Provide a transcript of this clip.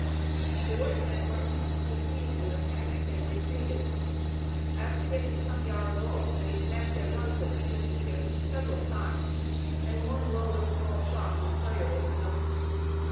The white men were instantly seized with a panic, and retreated; after getting some yards off they snapped their guns at the fugitives several times, and one load of small shot was fired into them.